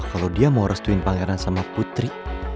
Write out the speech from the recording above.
kalau dia mau restuin pangeran sama putri